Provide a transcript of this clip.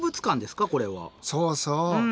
そうそう。